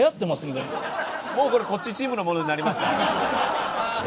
もうこれこっちチームのものになりました。